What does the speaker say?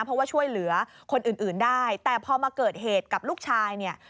เพราะว่าช่วยเหลือคนอื่นได้แต่พอมาเกิดเหตุกับลูกชายเนี่ย